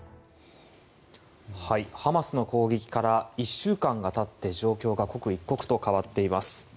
ハマスの攻撃から１週間が経って状況が刻一刻と変わっています。